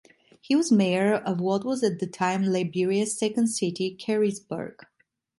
He was mayor of what was at the time Liberia's second city, Careysburg.